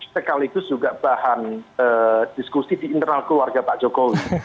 sekaligus juga bahan diskusi di internal keluarga pak jokowi